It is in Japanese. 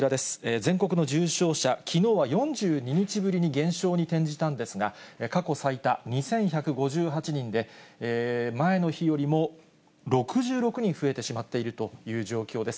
全国の重症者、きのうは４２日ぶりに減少に転じたんですが、過去最多２１５８人で、前の日よりも６６人増えてしまっているという状況です。